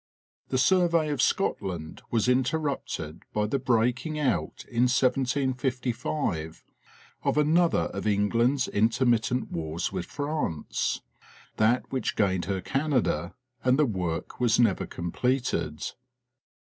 The survey of Scotland was interrupted by the breaking out in 1755 of another of England's intermittent wars with France, that which gained her Canada, and the work was never completed.